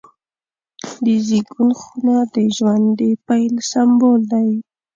د زیږون خونه د ژوند د پیل سمبول دی.